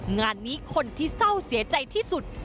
งานนี้คนที่เศร้าเสียใจที่สุด